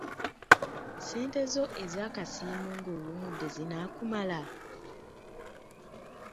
Ssente zo ez'akasiimo ng'owummudde zinaakumala?